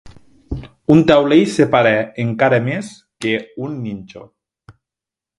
Un taulell separa encara més que un ninxo.